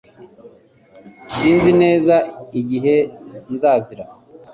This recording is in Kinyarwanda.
Sinzi neza igihe azazira